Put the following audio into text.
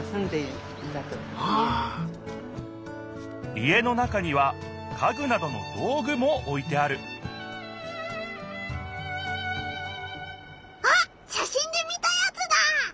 家の中には家具などの道具もおいてあるあっしゃしんで見たやつだ！